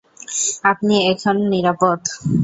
আপনি এখান নিরাপদ।